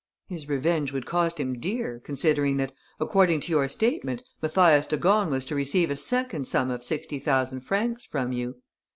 "His revenge would cost him dear, considering that, according to your statement, Mathias de Gorne was to receive a second sum of sixty thousand francs from you."